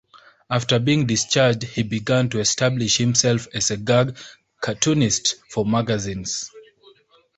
After being discharged, he began to establish himself as a gag cartoonist for magazines.